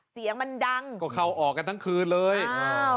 เสียงมันดังเขาออกกันทั้งคืนเลยอ้าเฮ้า